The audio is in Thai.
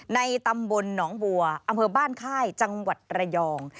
ในตำบลหนองบัวอำเภอบ้านค่ายจังหวัดระยอง